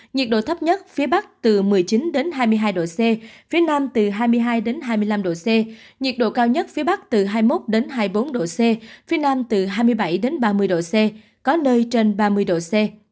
nhiệt độ thấp nhất phía bắc từ một mươi chín hai mươi hai độ c phía nam từ hai mươi hai hai mươi năm độ c nhiệt độ cao nhất phía bắc từ hai mươi một hai mươi bốn độ c phía nam từ hai mươi bảy ba mươi độ c có nơi trên ba mươi độ c